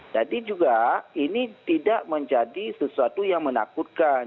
jadi juga ini tidak menjadi sesuatu yang menakutkan